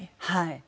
はい。